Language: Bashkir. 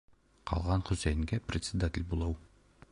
- Ҡалған Хөсәйенгә председатель булыу!